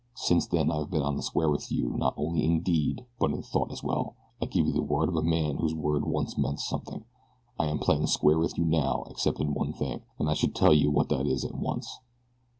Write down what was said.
Since then I have been on the square with you not only in deed but in thought as well. I give you the word of a man whose word once meant something I am playing square with you now except in one thing, and I shall tell you what that is at once.